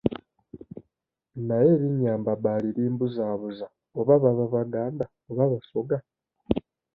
Naye erinnya Mbabaali limbuzaabuza oba baba Baganda oba Basoga?